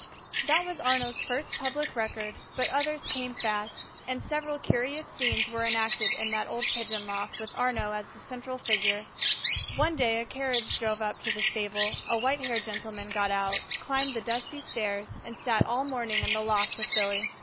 III That was Arnaux's first public record; but others came fast, and several curious scenes were enacted in that old pigeon loft with Arnaux as the central figure. One day a carriage drove up to the stable; a white haired gentleman got out, climbed the dusty stairs, and sat all morning in the loft with Billy.